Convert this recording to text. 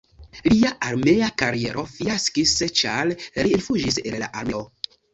Lia armea kariero fiaskis, ĉar li rifuĝis el la armeo.